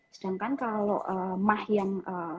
sedangkan kalau mah yang